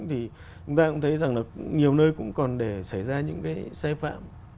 thì chúng ta cũng thấy rằng là nhiều nơi cũng còn để xảy ra những cái sai phạm